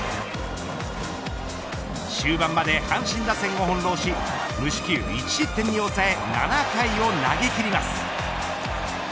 終盤まで阪神打線を翻弄し無四球１失点に抑え７回を投げ切ります。